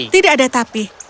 tidak ada tapi